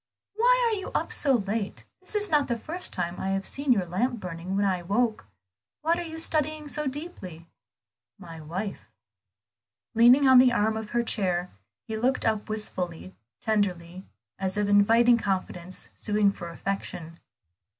"Why are you up so late? This is not the first time I have seen your lamp burning when I woke. What are you studying so deeply?" "My wife." Leaning on the arm of her chair he looked up wistfully, tenderly, as if inviting confidence, sueing for affection.